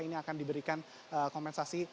ini akan diberikan kompensasi